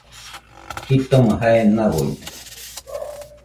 Jitoma jae nauide